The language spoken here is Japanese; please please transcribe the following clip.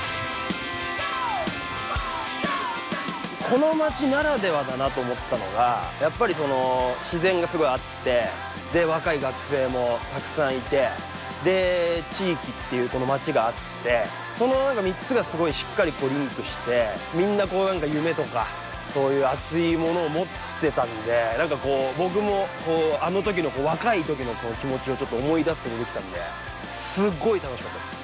この街ならではだなと思ったのがやっぱりその自然がすごいあってで若い学生もたくさんいて地域っていうこの街があってその３つがすごいしっかりリンクしてみんな何か夢とかそういう熱いものを持ってたんで何か僕もあの時の若い時の気持ちをちょっと思い出すことできたんですごい楽しかったです